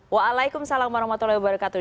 waalaikumsalam warahmatullahi wabarakatuh